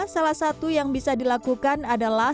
salah satu yang bisa dilakukan adalah